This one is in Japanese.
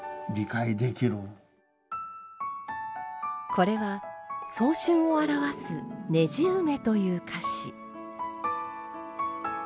これは早春を表すねじ梅という菓子。